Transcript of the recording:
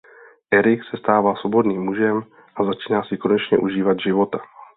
Erik se stává svobodným mužem a začíná si konečně užívat života.